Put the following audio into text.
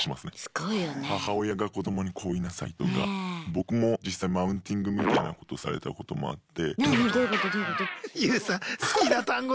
僕も実際マウンティングみたいなことされたこともあって。